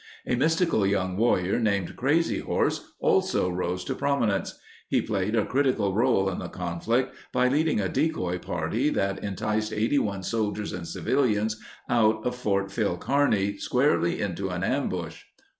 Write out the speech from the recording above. A mystical young warrior named Crazy Horse also rose to prominence. He played a critical role in the conflict by leading a decoy party that enticed 81 soldiers and civilians out of Fort Phil Kearny squarely into an ambush.